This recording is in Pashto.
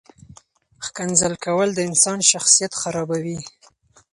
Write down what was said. ښکنځل کول د انسان شخصیت خرابوي.